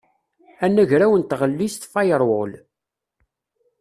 Anagraw n tɣellist firewall.